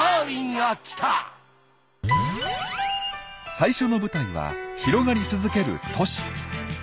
最初の舞台は広がり続ける都市。